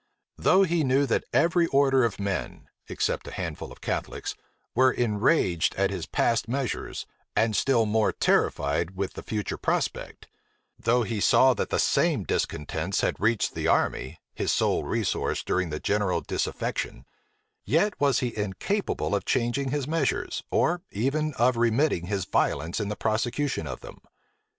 Though he knew that every order of men, except a handful of Catholics, were enraged at his past measures, and still more terrified with the future prospect; though he saw that the same discontents had reached the army, his sole resource during the general disaffection; yet was he incapable of changing his measures, or even of remitting his violence in the prosecution of them.